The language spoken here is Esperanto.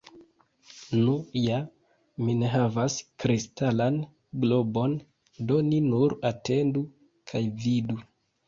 Nu ja, ni ne havas kristalan globon, do ni nur atendu kaj vidu.